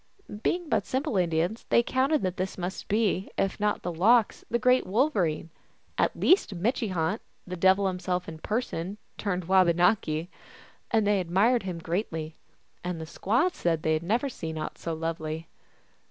Being but simple Indians, they accounted that this must be, if not Lox the Great Wolverine, at least Mitche hant, the devil himself in person, turned Wabanaki ; and they admired him greatly, and the squaws said they had never seen aught so lovely.